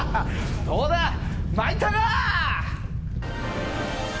どうだ、参ったか！